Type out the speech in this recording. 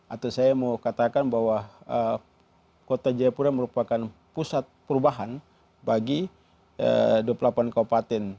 atau saya mau katakan bahwa kota jayapura merupakan pusat perubahan bagi dua puluh delapan kabupaten